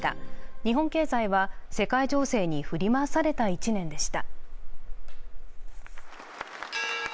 日本経済は、世界情勢に振り回された１年でした。